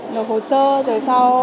được hồ sơ rồi sau